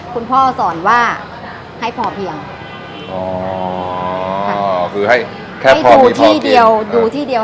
คุณพ่อสอนว่าให้พอเพียงอ๋อคือให้แค่พอมีพอกินให้ดูที่เดียว